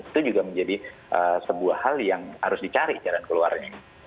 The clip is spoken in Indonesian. itu juga menjadi sebuah hal yang harus dicari jalan keluarnya